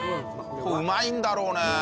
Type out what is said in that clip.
これうまいんだろうね。